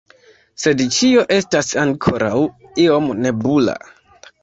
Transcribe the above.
Sed ĉio estas ankoraŭ iom nebula.